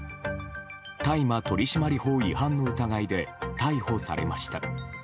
大麻取締法違反の疑いで逮捕されました。